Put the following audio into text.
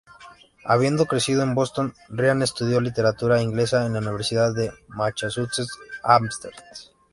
Habiendo crecido en Boston, Ryan estudió Literatura Inglesa en la Universidad de Massachusetts Amherst.